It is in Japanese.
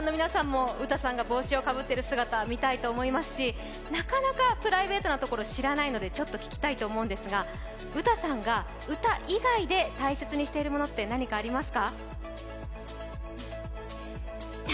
でもテレビをご覧の皆さんもウタさんが麦わら帽子をかぶってるところ見たいと思いますし、なかなかプライベートなところを知らないので聞きたいんですが、ウタさんが歌以外で大切にしているものって何かありますか？